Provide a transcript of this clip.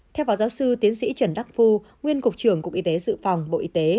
theo phó giáo sư tiến sĩ trần đắc phu nguyên cục trưởng cục y tế dự phòng bộ y tế